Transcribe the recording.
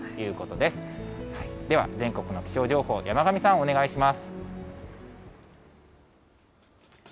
では、全国の気象情報、山神さん、お願いします。